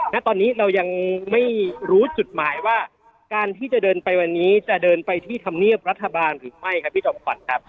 ณตอนนี้เรายังไม่รู้จุดหมายว่าการที่จะเดินไปวันนี้จะเดินไปที่ธรรมเนียบรัฐบาลหรือไม่ครับพี่จอมขวัญครับ